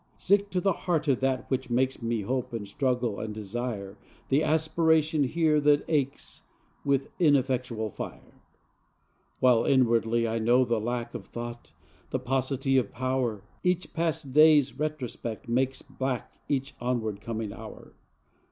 Sick to the heart of that which makes Me hope and struggle and desire, The aspiration here that aches With ineffectual fire: While inwardly I know the lack Of thought, the paucity of power, Each past day's retrospect makes black Each onward coming hour.